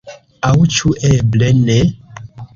Aŭ ĉu eble ne?